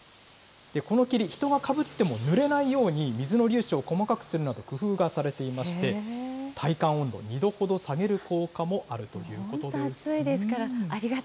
この霧、人がかぶってもぬれないように、水の粒子を細かくするなど、工夫がされていまして、体感温度を２度ほど下げる効果もある本当、暑いですから、ありが